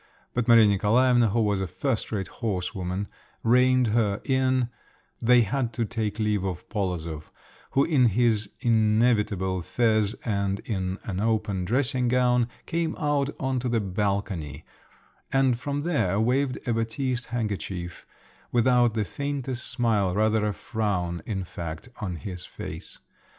But Maria Nikolaevna, who was a first rate horse woman, reined her in; they had to take leave of Polozov, who in his inevitable fez and in an open dressing gown, came out on to the balcony, and from there waved a batiste handkerchief, without the faintest smile, rather a frown, in fact, on his face.